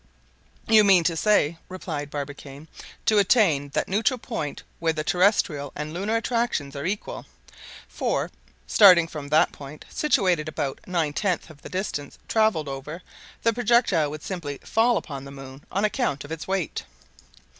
"You mean to say," replied Barbicane, "to attain that neutral point where the terrestrial and lunar attractions are equal; for, starting from that point, situated about nine tenths of the distance traveled over, the projectile would simply fall upon the moon, on account of its weight."